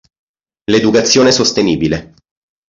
L’Educazione Sostenibile.